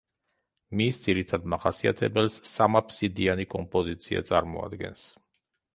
მის ძირითად მახასიათებელს სამაფსიდიანი კომპოზიცია წარმოადგენს.